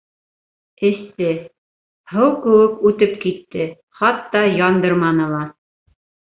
Эсте. һыу кеүек үтеп китте, хатта яндырманы ла.